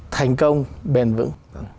thành công bền vững